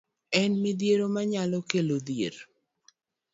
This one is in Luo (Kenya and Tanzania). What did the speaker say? En midhiero manyalo kelo dhier.